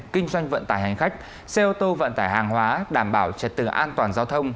kinh doanh vận tải hành khách xe ô tô vận tải hàng hóa đảm bảo trật tự an toàn giao thông